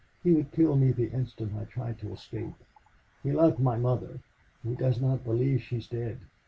"He would kill me the instant I tried to escape. He loved my mother. He does not believe she is dead.